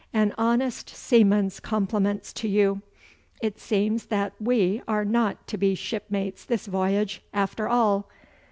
'An honest seaman's compliments to you. It seems that we are not to be shipmates this voyage, after all.